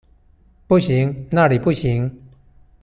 不行，那裡不行